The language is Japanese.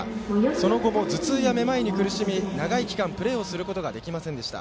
その後も頭痛や、めまいに苦しみ長い期間プレーをすることができませんでした。